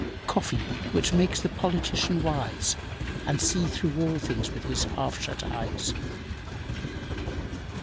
Coffee! which makes the politician wise, And see through all things with his half shut eyes!"